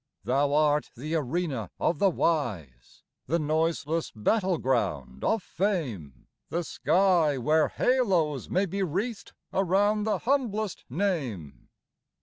Thou art the arena of the wise, The noiseless battle ground of fame; The sky where halos may be wreathed Around the humblest name.